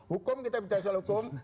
hukum kita bicara soal hukum